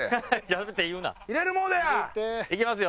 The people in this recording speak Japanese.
いきますよ！